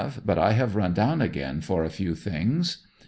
But I have run down again for a few things.'